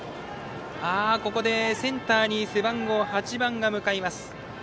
ここでセンターに背番号８番が向かいます。